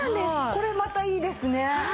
これまたいいですね。